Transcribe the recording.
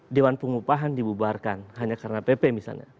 dewan pengupahan dibubarkan hanya karena pp misalnya